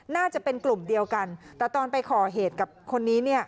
น่าจะเป็นกลุ่มเดียวกันแต่ตอนไปก่อเหตุกับคนนี้เนี่ย